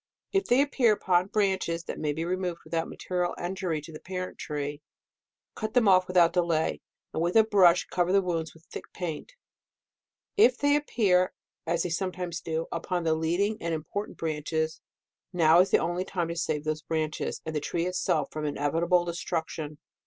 If they appear upon branches that may be removed without material injury to the parent tree, cut them off without delay, and with a brush cover the wounds with thick paint. If they appear, as they sometimes do, upon the leading and important branches, now is the only time to save those branches, and the tree itself, from inevitable destruction.